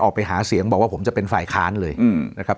ไปหาเสียงบอกว่าผมจะเป็นฝ่ายค้านเลยนะครับ